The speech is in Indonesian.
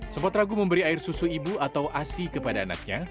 sempat ragu memberi air susu ibu atau asi kepada anaknya